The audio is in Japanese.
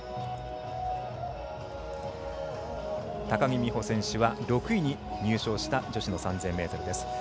高木美帆選手は６位に入賞した女子の３０００ｍです。